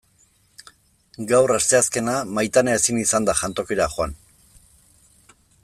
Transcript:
Gaur, asteazkena, Maitane ezin izan da jantokira joan.